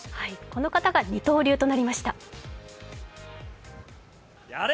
この方が二刀流となりました。